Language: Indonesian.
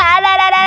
aduh aduh aduh